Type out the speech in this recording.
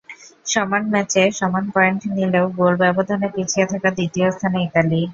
সমান ম্যাচে সমান পয়েন্ট নিয়েও গোল ব্যবধানে পিছিয়ে থাকায় দ্বিতীয় স্থানে ইতালি।